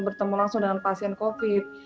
bertemu langsung dengan pasien covid